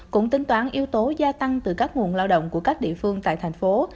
cũng tính toán yếu tố gia tăng từ các nguồn lao động của các địa phương tại thành phố